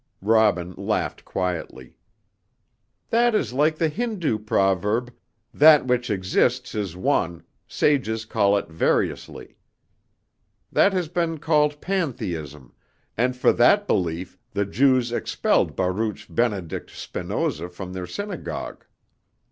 Robin laughed quietly. "That is like the Hindoo proverb, 'That which exists is one; sages call it variously.' That has been called pantheism, and for that belief the Jews expelled Baruch Benedict Spinoza from their synagogue.